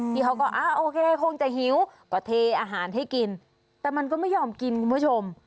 พี่เขาก็อ้าวโอเคคงจะหิวก็เทอาหารให้กินแต่มันก็ไม่ยอมกินคุณผู้ชม